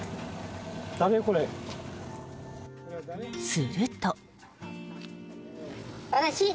すると。